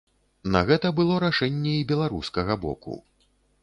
На гэта было рашэнне і беларускага боку.